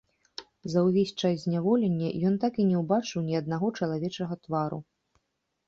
За ўвесь час зняволення ён так і не ўбачыў ні аднаго чалавечага твару.